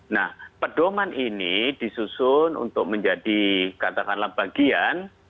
nah pedoman ini disusun untuk menjadi katakanlah bagian